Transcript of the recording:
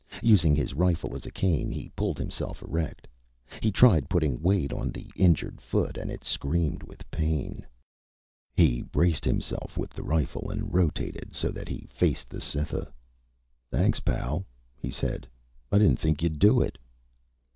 Using his rifle as a cane, he pulled himself erect. He tried putting weight on the injured foot and it screamed with pain. He braced himself with the rifle and rotated so that he faced the Cytha. "Thanks, pal," he said. "I didn't think you'd do it."